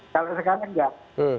kalau sekarang enggak